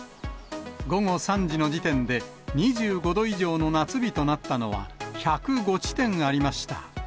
午後３時の時点で、２５度以上の夏日となったのは、１０５地点ありました。